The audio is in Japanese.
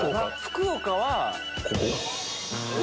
福岡はここ。